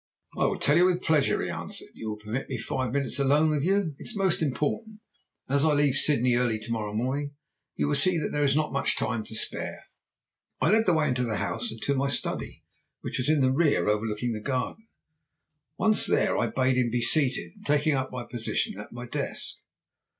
"'I will tell you with pleasure,' he answered, 'if you will permit me five minutes alone with you. It is most important, and as I leave Sydney early to morrow morning you will see that there is not much time to spare.' "I led the way into the house and to my study, which was in the rear, overlooking the garden. Once there I bade him be seated, taking up my position at my desk.